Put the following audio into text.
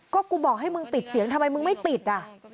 ก็กูบอกให้มึงปิดเสียงทำไมมึงไม่ปิดอ่ะ